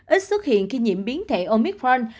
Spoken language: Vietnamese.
ít xuất hiện khi nhiễm biến thể omicron